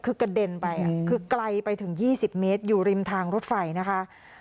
คือกระเด็นไปคือไกลไปถึง๒๐เมตรอยู่ริมทางรถไฟนะคะ